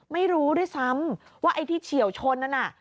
ไม่รู้ด้วยซ้ำว่าไอ้ที่เฉียวชนนั่นน่ะ